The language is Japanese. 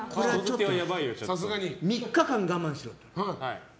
３日間、我慢しろと。